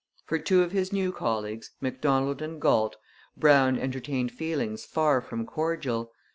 For two of his new colleagues, Macdonald and Galt, Brown entertained feelings far from cordial.